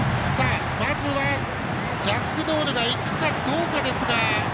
まずは、ジャックドールがいくかどうかですが。